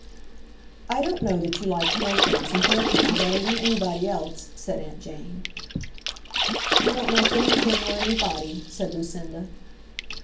"I don't know that you like poor things and poor people better than anybody else," said Aunt Jane. "I don't like anything or anybody," said Lucinda.